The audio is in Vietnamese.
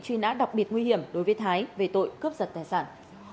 truy nã đặc biệt nguy hiểm đối với thái về tội cướp giật tài sản